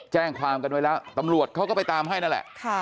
แจ้งความกันไว้แล้ว